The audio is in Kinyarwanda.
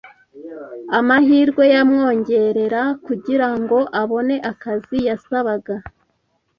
amahirwe yamwongerera kugira ngo abone akazi yasabaga.